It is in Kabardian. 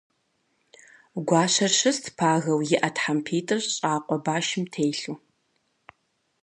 Гуащэр щыст пагэу, и Ӏэ тхьэмпитӀыр щӀакъуэ башым телъу.